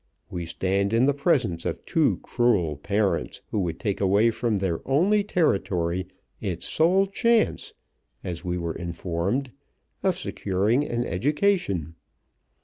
We stand in the presence of two cruel parents who would take away from their only Territory its sole chance as we were informed of securing an education.